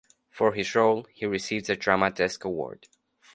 For his role, he received a Drama Desk Award.